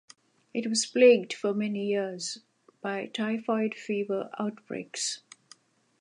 It was plagued, for many years, by typhoid fever outbreaks.